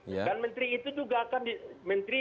dan menteri itu juga akan menteri